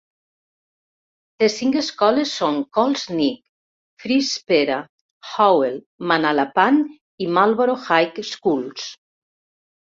Les cinc escoles són Colts Neck, Freeespera, Howell, Manalapan, i Marlboro High Schools.